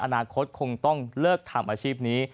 อนาคตคงต้องเลิกทำอาชีพนี้